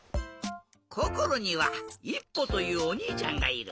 こころにはいっぽというおにいちゃんがいる。